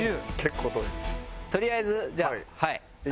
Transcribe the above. とりあえずじゃあはい。